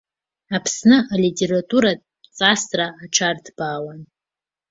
Аԥсны алитературатә ҵысра аҽарҭбаауан.